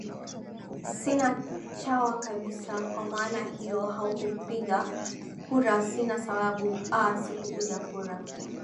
sinachawa kabisa kwa maana hiyo haukupiga kura sina sababu aa sikupiga kura